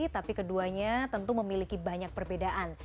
tapi keduanya tentu memiliki banyak perbedaan